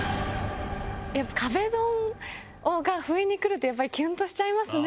やっぱり、壁ドンが不意に来るとやっぱりきゅんとしちゃいますね。